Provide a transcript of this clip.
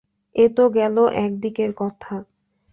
এ তো গেল এক দিকের কথা।